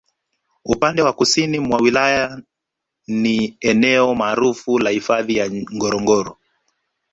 Upande wa Kusini mwa Wilaya ni eneo maarufu la Hifadhi ya Ngorongoro